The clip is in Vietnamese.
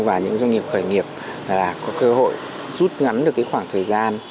và những doanh nghiệp khởi nghiệp có cơ hội rút ngắn được khoảng thời gian